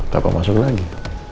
papa masuk lagi